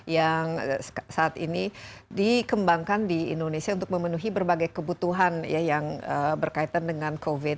yang saat ini dikembangkan di indonesia untuk memenuhi berbagai kebutuhan yang berkaitan dengan covid